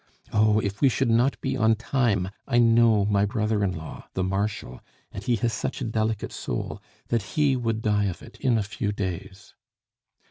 Oh, if we should not be on time, I know my brother in law, the Marshal, and he has such a delicate soul, that he would die of it in a few days."